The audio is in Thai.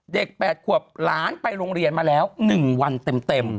๘ขวบหลานไปโรงเรียนมาแล้ว๑วันเต็ม